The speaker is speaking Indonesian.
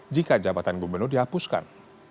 jika jabatan gubernur dihapuskan